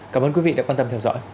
cảm ơn quý vị đã quan tâm theo dõi